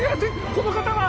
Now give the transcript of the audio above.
この方は？